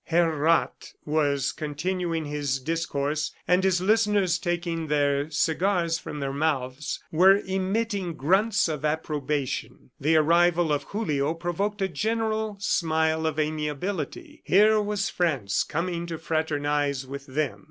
Herr Rath was continuing his discourse and his listeners, taking their cigars from their mouths, were emitting grunts of approbation. The arrival of Julio provoked a general smile of amiability. Here was France coming to fraternize with them.